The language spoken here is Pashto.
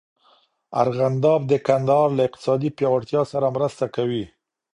ارغنداب د کندهار له اقتصادي پیاوړتیا سره مرسته کوي.